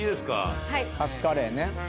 カツカレーね